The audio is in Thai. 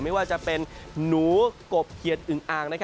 ไม่ว่าจะเป็นหนูกบเขียนอึงอ่าง